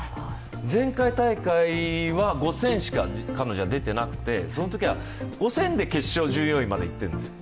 前回大会は５０００しか彼女は出てなくて、そのときは５０００で決勝１４位までいっているんですよ。